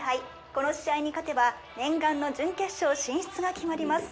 この試合に勝てば念願の準決勝進出が決まります。